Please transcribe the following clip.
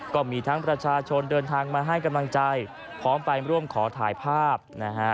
ก็มีทั้งประชาชนเดินทางมาให้กำลังใจพร้อมไปร่วมขอถ่ายภาพนะฮะ